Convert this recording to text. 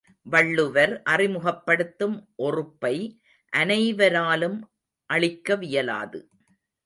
வள்ளுவர் அறிமுகப்படுத்தும் ஒறுப்பை அனைவராலும் அளிக்கவியலாது.